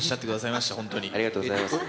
まありがとうございます。